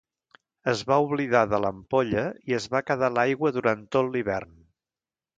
Es va oblidar de l'ampolla i es va quedar a l'aigua durant tot l'hivern.